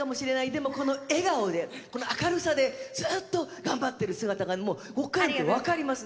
でも、この笑顔で、この明るさでずっと頑張ってる姿がここから見て分かります。